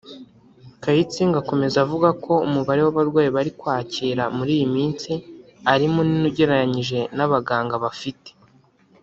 Kayitsinga akomeza avuga ko umubare w’abarwayi bari kwakira muri iyi minsi ari munini ugereranyije n’abaganga bafite